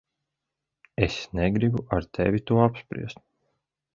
Es negribu ar tevi to apspriest.